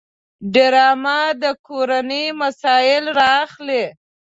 ډرامه د کورنۍ مسایل راخلي